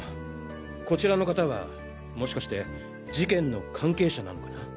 こちらの方はもしかして事件の関係者なのかな？